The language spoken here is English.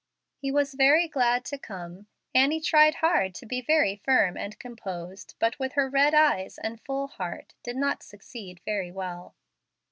He was very glad to come. Annie tried hard to be very firm and composed, but, with her red eyes and full heart, did not succeed very well.